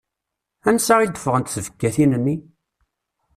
Ansa i d-ffɣent tbekkatin-nni?